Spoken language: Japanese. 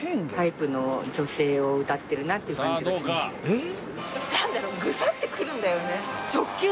「えっ？」